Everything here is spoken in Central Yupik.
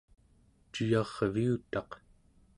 cuyarviutaq